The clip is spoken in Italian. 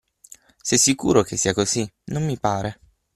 Sei sicuro che sia così? Non mi pare.